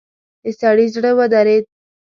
د سړي زړه ودرېد.